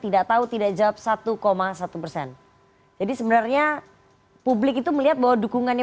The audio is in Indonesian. tidak tahu tidak jawab satu satu persen jadi sebenarnya publik itu melihat bahwa dukungannya